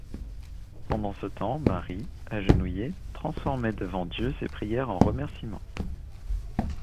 Pendant ce temps, Marie, agenouillée, transformait devant Dieu ses prières en remercîments.